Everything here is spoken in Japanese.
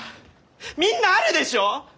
みんなあるでしょ！？